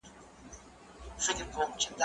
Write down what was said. زه اوس سړو ته خواړه ورکوم؟